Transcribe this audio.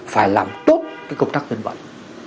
phải làm tốt cái công tác dân vận